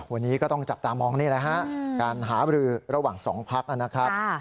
วันนี้ก็ต้องจับตามองนี่แหละฮะการหาบรือระหว่างสองพักนะครับ